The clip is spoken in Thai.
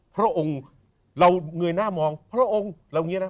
พระองค์เราเงยหน้ามองพระองค์เราอย่างนี้นะ